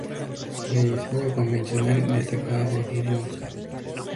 De diseño convencional, destacaba por la robustez.